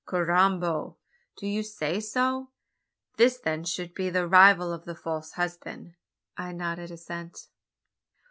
"Carrambo! Do you say so? This then should be the rival of the false husband?" I nodded assent.